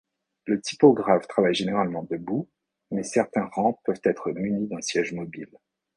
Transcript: Le typographe travaille généralement debout, mais certains rangs peuvent être munis d’un siège mobile.